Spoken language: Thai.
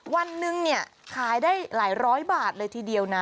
วันหนึ่งเนี่ยขายได้หลายร้อยบาทเลยทีเดียวนะ